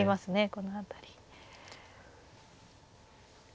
この辺り。